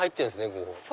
ここ。